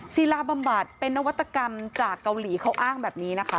ศิลาบำบัดเป็นนวัตกรรมจากเกาหลีเขาอ้างแบบนี้นะคะ